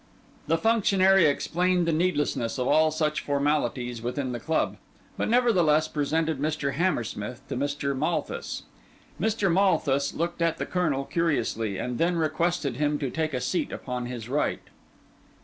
The functionary explained the needlessness of all such formalities within the club, but nevertheless presented Mr. Hammersmith to Mr. Malthus. Mr. Malthus looked at the Colonel curiously, and then requested him to take a seat upon his right.